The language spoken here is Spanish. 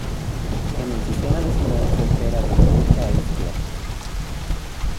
En el sistema decimal se opera de derecha a izquierda.